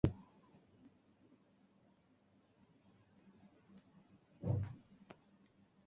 兴趣是购物。